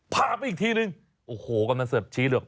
ภาพไปอีกทีนึงโอ้โหกำลังเสิร์ชชี้เลย